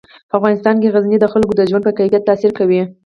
په افغانستان کې غزني د خلکو د ژوند په کیفیت تاثیر کوي.